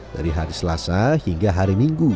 dari hari selasa hingga hari minggu